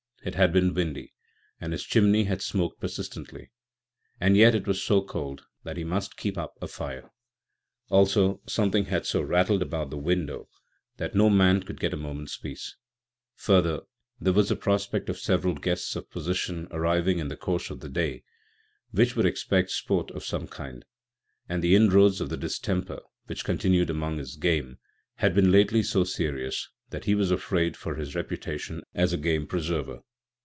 It had been windy, and his chimney had smoked persistently, and yet it was so cold that he must keep up a fire. Also something had so rattled about the window that no man could get a moment's peace. Further, there was the prospect of several guests of position arriving in the course of the day, who would expect sport of some kind, and the inroads of the distemper (which continued among his game) had been lately so serious that he was afraid for his reputation as a game preserver.